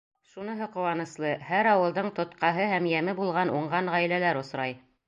Шуныһы ҡыуаныслы: һәр ауылдың тотҡаһы һәм йәме булған уңған ғаиләләр осрай.